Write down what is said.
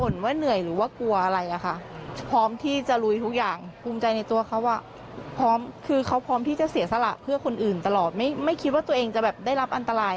ด้านในพอสนะครับ